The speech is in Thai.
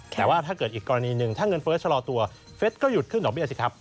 แต่ว่าถ้าเกิดอีกกรณีหนึ่งถ้าเงินเฟิร์สชะลอตัวเฟสก็หยุดขึ้นดอกเบี้ยสิครับ